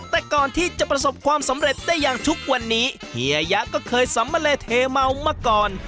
แต่ก่อนที่จะประสบความสำเร็จได้อย่างทุกวันนี้เฮียยะก็เคยสัมมะเลเทเมามาก่อน